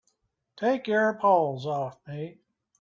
Take your paws off me!